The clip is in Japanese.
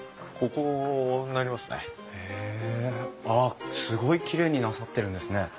あっすごいきれいになさっているんですね。